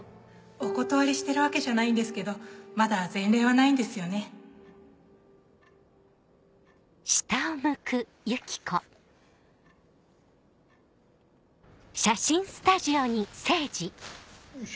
お断りしてるわけじゃないんですけどまだ前例はないんですよねよいしょ。